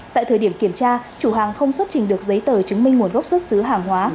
tại thời điểm kiểm tra chủ hàng không xuất trình được giấy tờ chứng minh nguồn gốc xuất xứ hàng hóa